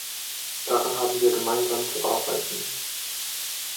Daran haben wir gemeinsam zu arbeiten.